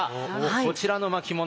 こちらの巻物